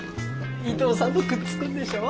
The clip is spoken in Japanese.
伊東さんとくっつくんでしょ？